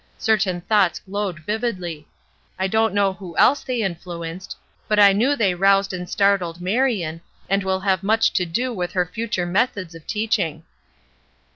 Certain thoughts glowed vividly. I don't know who else they influenced, but I knew they roused and startled Marion, and will have much to do with her future methods of teaching.